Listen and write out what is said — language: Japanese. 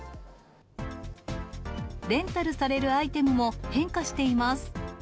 レンタルされるアイテムも変化しています。